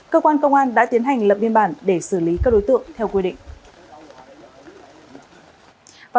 cơ quan công an đã tiến hành lập biên bản để xử lý các đối tượng theo quy định